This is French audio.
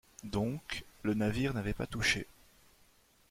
Donc, le navire n’avait pas touché